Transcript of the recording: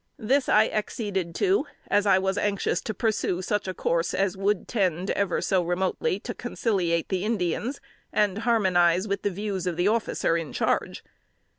This I acceded to, as I was anxious to pursue such a course as would tend, ever so remotely, to conciliate the Indians, and harmonize with the views of the officer in charge.